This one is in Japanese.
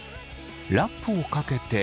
ラップをかけて。